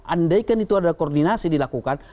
andaikan itu ada koordinasi dilakukan